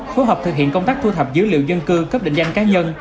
phối hợp thực hiện công tác thu thập dữ liệu dân cư cấp định danh cá nhân